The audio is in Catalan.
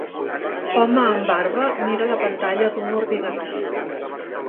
Home amb barba mira la pantalla d'un ordinador.